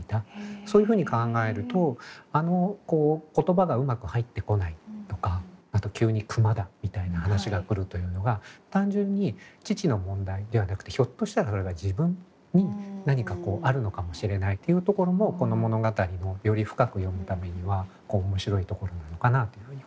そういうふうに考えるとあの言葉がうまく入ってこないとかあとは急に「熊だ」みたいな話が来るというのが単純に父の問題ではなくてひょっとしたらそれが自分に何かこうあるのかもしれないというところもこの物語をより深く読むためには面白いところなのかなっていうふうに思いますね。